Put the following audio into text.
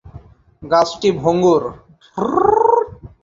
গাছটি ভঙ্গুর।